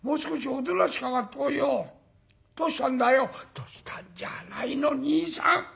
「どうしたんじゃないの兄さん。